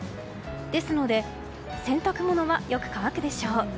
ですので洗濯物はよく乾くでしょう。